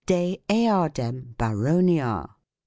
. de eadem baronia